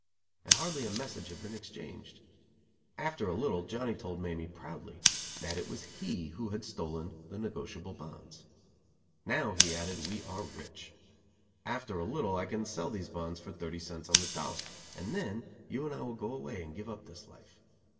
And hardly a message had been exchanged. After a little Johnny told Mamie, proudly, that it was he who had stolen the negotiable bonds. "Now," he added, "we are rich. After a little I can sell these bonds for thirty cents on the dollar and then you and I will go away and give up this life.